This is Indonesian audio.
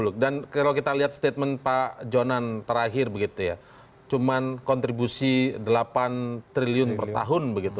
kalau kita lihat statement pak jonan terakhir cuma kontribusi delapan triliun per tahun